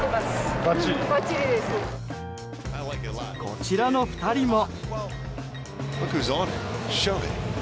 こちらの２人も。